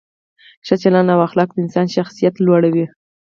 ښه چلند او اخلاق د انسان شخصیت لوړوي.